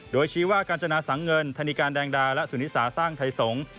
โดยชี้ว่ากาญจนาสังเงินธนิการแดงดาและสุนิสาสร้างไทยสงฆ์